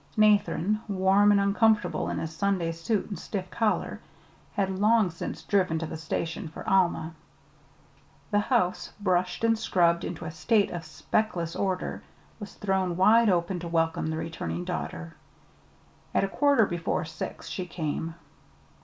Nathan, warm and uncomfortable in his Sunday suit and stiff collar, had long since driven to the station for Alma. The house, brushed and scrubbed into a state of speckless order, was thrown wide open to welcome the returning daughter. At a quarter before six she came.